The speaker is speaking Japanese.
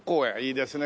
いいですね